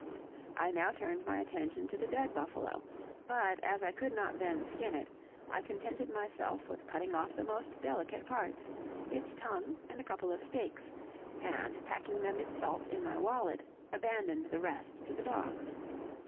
I now turned my attention to the dead buffalo, but as I could not then skin it, I contented myself with cutting off the most delicate parts, its tongue, and a couple of steaks, and, packing them in salt in my wallet, abandoned the rest to the dogs.